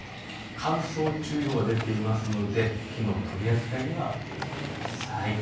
乾燥注意報が出ているので火の取り扱いにはお気をつけください。